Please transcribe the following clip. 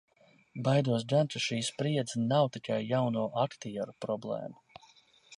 Baidos gan, ka šī spriedze nav tikai jauno aktieru problēma.